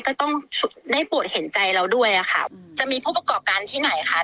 ก็ต้องได้ปวดเห็นใจเราด้วยอะค่ะจะมีผู้ประกอบการที่ไหนคะ